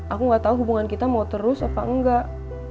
aku gak tahu hubungan kita mau terus apa enggak